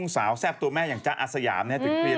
สาวแซ่บตัวแม่อย่างจ๊ะออสยามนะครับ